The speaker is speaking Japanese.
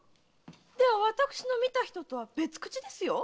では私の見た人とは別口ですよ。